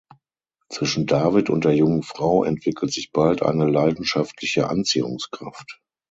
Zwischen David und der jungen Frau entwickelt sich bald eine leidenschaftliche Anziehungskraft.